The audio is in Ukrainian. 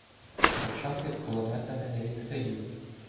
Тачанки з кулеметами не відстають.